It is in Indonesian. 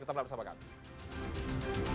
tetap bersama kami